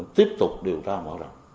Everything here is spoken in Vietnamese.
tiếp tục điều tra mở rộng